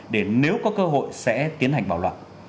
để nếu có cơ hội sẽ tiến hành bảo luật